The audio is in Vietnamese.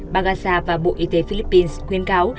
bagasa và bộ y tế philippines khuyên cáo